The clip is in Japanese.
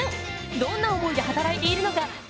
どんな思いで働いているのか考えてみて！